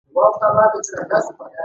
پیاز طبیعي انتي بیوټیک دی